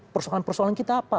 persoalan persoalan kita apa